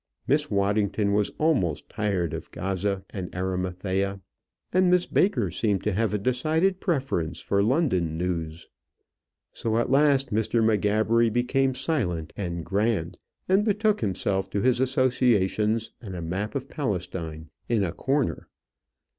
Miss Waddington was almost tired of Gaza and Arimathea, and Miss Baker seemed to have a decided preference for London news. So at last Mr. M'Gabbery became silent and grand, and betook himself to his associations and a map of Palestine in a corner.